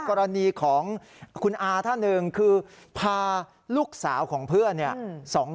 กรณีของคุณฮถ้าหนึ่งคือพารุกสาวของเพื่อน